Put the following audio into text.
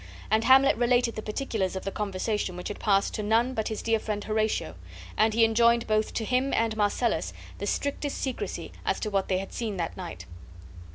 And Hamlet related the particulars of the conversation which had passed to none but his dear friend Horatio; and he enjoined both to him and Marcellus the strictest secrecy as to what they had seen that night.